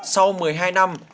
sau một mươi hai năm